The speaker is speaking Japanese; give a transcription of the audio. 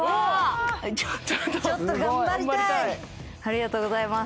ありがとうございます。